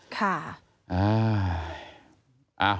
ค่ะ